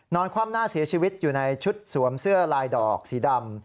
คว่ำหน้าเสียชีวิตอยู่ในชุดสวมเสื้อลายดอกสีดำ